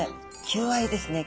求愛ですね。